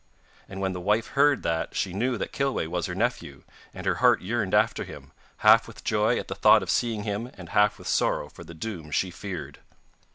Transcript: And when the wife heard that she knew that Kilweh was her nephew, and her heart yearned after him, half with joy at the thought of seeing him, and half with sorrow for the doom she feared.